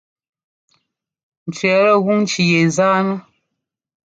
Cʉɛtɛ́ gún ŋci yɛ zánɛ́.